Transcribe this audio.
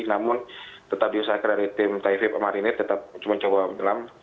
namun tetap diusahakan dari tim taifib marine tetap cuma coba menjelam